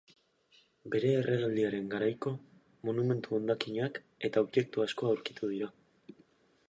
Bere erregealdiaren garaiko monumentu hondakinak eta objektu asko aurkitu dira.